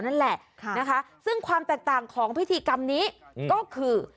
นั่นแหละนะคะซึ่งความแตกต่างของพิธีกรรมนี้ก็คือ